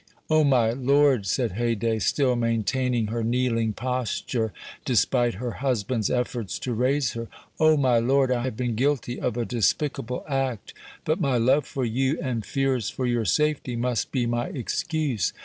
"Oh! my lord," said Haydée, still maintaining her kneeling posture despite her husband's efforts to raise her, "oh! my lord, I have been guilty of a despicable act, but my love for you and fears for your safety must be my excuse.